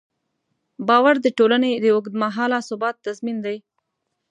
باور د ټولنې د اوږدمهاله ثبات تضمین دی.